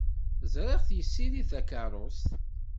Ẓriɣ-t yessirid takeṛṛust.